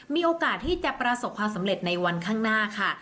มีโอกาสที่จะประสบความสำเร็จในวันข้างหน้าค่ะ